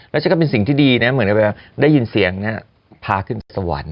แล้วฉันก็เป็นสิ่งที่ดีนะเหมือนได้ยินเสียงพาขึ้นจากสวรรค์